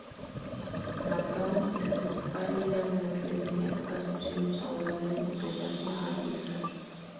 Matón, el principal líder rebelde tenía pocas opciones favorables de enfrentarse a Amílcar.